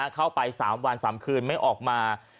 เข้าไป๓วัน๓คืนไม่ออกมา